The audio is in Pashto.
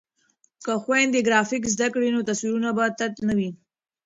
که خویندې ګرافیک زده کړي نو تصویرونه به تت نه وي.